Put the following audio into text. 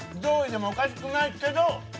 上位でもおかしくないけど。